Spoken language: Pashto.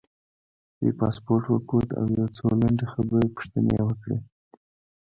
دوی پاسپورټ وکوت او یو څو لنډې پوښتنې یې وکړې.